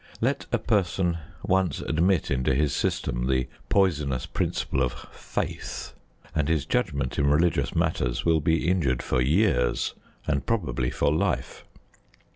Let a person once admit into his system the poisonous principle of "faith," and his judgment in religious matters will be injured for years, and probably for life.